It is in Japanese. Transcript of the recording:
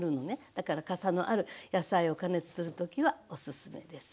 だからかさのある野菜を加熱する時はおすすめです。